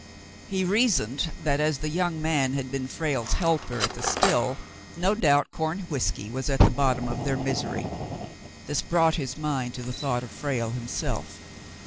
He reasoned that as the young man had been Frale's helper at the still, no doubt corn whiskey was at the bottom of their misery. This brought his mind to the thought of Frale himself.